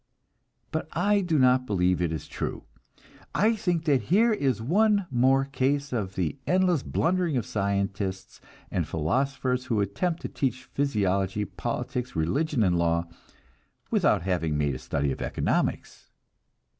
But I do not believe it is true; I think that here is one more case of the endless blundering of scientists and philosophers who attempt to teach physiology, politics, religion and law, without having made a study of economics.